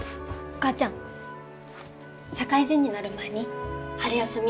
お母ちゃん社会人になる前に春休み